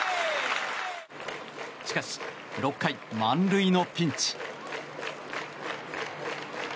しかし、６回満塁のピンチ。